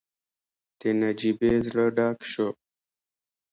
د نجيبې زړه ډک شو.